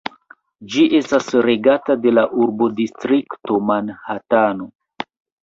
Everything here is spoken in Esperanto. Ĝi estas regata de la urbodistrikto Manhatano.